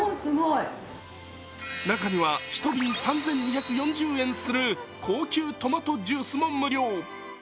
中には１瓶３２４０円する高級トマトジュースも無料。